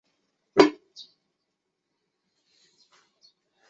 光叶巴豆为大戟科巴豆属下的一个种。